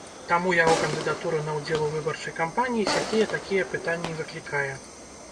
Таму яго кандыдатура на ўдзел у выбарчай кампаніі сякія-такія пытанні выклікае.